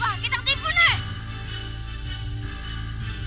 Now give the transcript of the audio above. wah kita ketipu nek